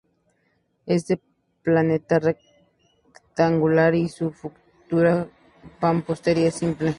Es de planta rectangular y su factura de mampostería simple.